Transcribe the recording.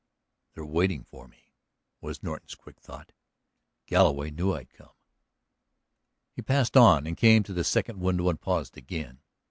"They're waiting for me," was Norton's quick thought. "Galloway knew I'd come." He passed on, came to the second window and paused again.